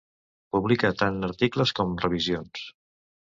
Publica tant articles com revisions.